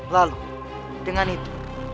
lalu dengan itu